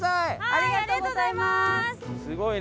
ありがとうございます。